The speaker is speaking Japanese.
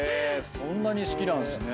そんなに好きなんすね。